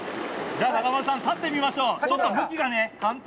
じゃあ、中丸さん、立ってみましょう。